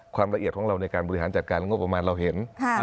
ความละเอียดของเราในการบริหารเวลาเห็น